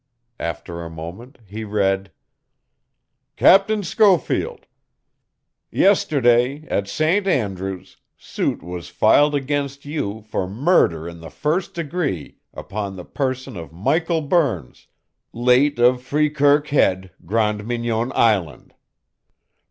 After a moment he read: "CAPTAIN SCHOFIELD: "Yesterday at St. Andrew's suit was filed against you for murder in the first degree upon the person of Michael Burns, late of Freekirk Head, Grande Mignon Island.